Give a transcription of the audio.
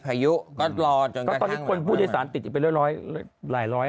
พายุก็รอจนกระทั่งคนผู้โดยสารติดไปเรื่อยร้อยหลายร้อย